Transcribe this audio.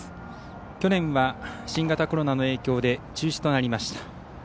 去年は新型コロナの影響で中止となりました。